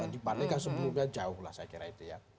dibandingkan sebelumnya jauh lah saya kira itu ya